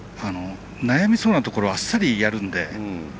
悩みそうなところをあっさりやるので。